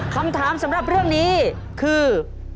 คำถามสำหรับเรื่องนี้คือ